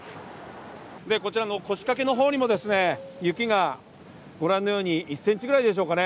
で、こちらの腰かけの方にも雪がご覧のように、１センチぐらいでしょうかね？